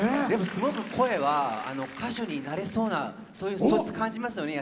すごく声は歌手になれそうなそういう素質、感じますよね？